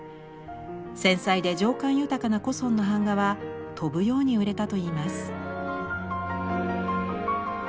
繊細で情感豊かな古の版画は飛ぶように売れたといいます。